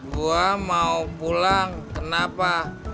gue mau pulang kenapa